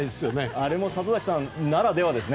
あれも里崎さん、ならではですね。